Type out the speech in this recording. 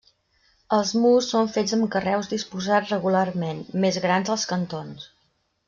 Els murs són fets amb carreus disposats regularment, més grans als cantons.